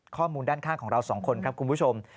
ข้อมูลด้านข้างของเราสองคนครับคุณผู้ชม